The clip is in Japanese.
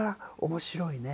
面白い。